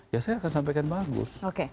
ya saya akan sampaikan bagus